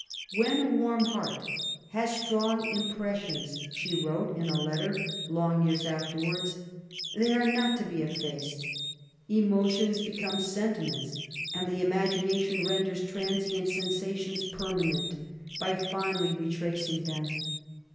'' When a warm heart has strong impressions/' she wrote in a letter long years after wards^ '' they are not to be effaced. Emotions become sentiments: and the imagination renders transient sensations permanent, by fondly retracing them.